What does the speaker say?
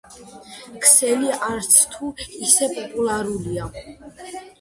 ქსელი არცთუ ისე პოპულარულია.